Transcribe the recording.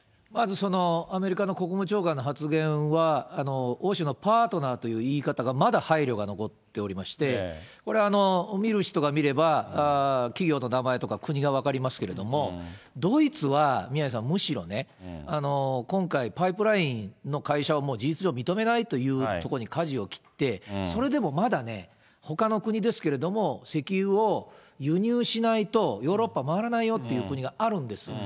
まずアメリカの国務長官の発言は、欧州のパートナーという言い方が、まだ配慮が残っておりまして、これは見る人が見れば、企業の名前とか国が分かりますけれども、ドイツは、宮根さん、むしろね、今回、パイプラインの会社を事実上認めないというところにかじを切って、それでもまだね、ほかの国ですけれども、石油を輸入しないと、ヨーロッパ回らないよっていう国があるんです。